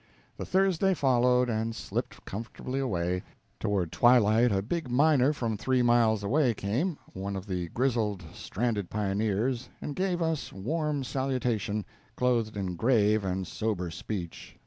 The Thursday followed and slipped comfortably away. Toward twilight a big miner from three miles away came one of the grizzled, stranded pioneers and gave us warm salutation, clothed in grave and sober speech.